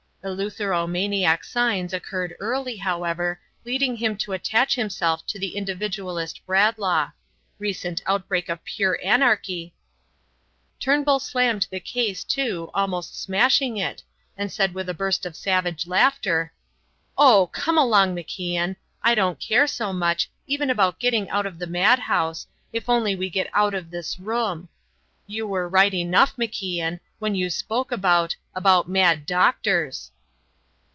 Eleutheromaniac signs occurred early, however, leading him to attach himself to the individualist Bradlaugh. Recent outbreak of pure anarchy " Turnbull slammed the case to, almost smashing it, and said with a burst of savage laughter: "Oh! come along, MacIan; I don't care so much, even about getting out of the madhouse, if only we get out of this room. You were right enough, MacIan, when you spoke about about mad doctors."